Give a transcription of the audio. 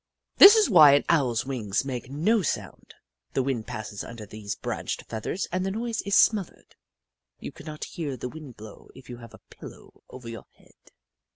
This is why an Owl's wings make no sound ; the wind passes under these branched feathers and the noise is smothered. You cannot hear the wind blow if you have a pillow over your head.